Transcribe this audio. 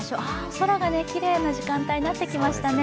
空がきれいな時間帯になってきましたね。